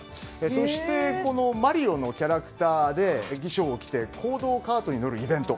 そしてマリオのキャラクターの衣装を着て公道カートに乗るイベント。